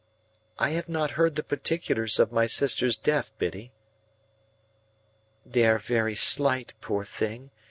"I have not heard the particulars of my sister's death, Biddy." "They are very slight, poor thing.